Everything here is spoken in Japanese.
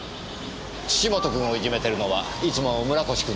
土本君をいじめてるのはいつも村越君ですか？